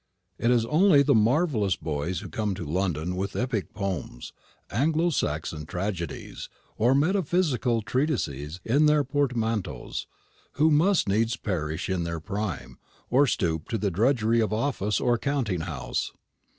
It is only the marvellous boys who come to London with epic poems, Anglo Saxon tragedies, or metaphysical treatises in their portmanteaus, who must needs perish in their prime, or stoop to the drudgery of office or counting house.